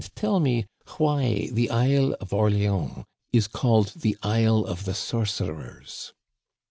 37 tell me why the Isle of Orleans is called the Isle of the Sorcerers."